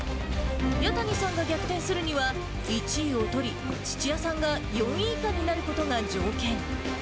弥谷さんが逆転するには、１位を取り、土屋さんが４位以下になることが条件。